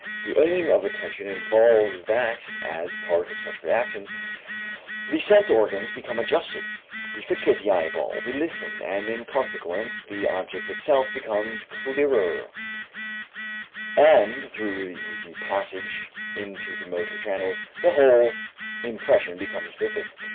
This aim of attention involves that, as part of such reactions, the sense organs become adjusted; we fixate the eyeball, we listen, and in consequence the object itself becomes clearer, and through the easy passage into the motor channels the whole impression becomes vivid.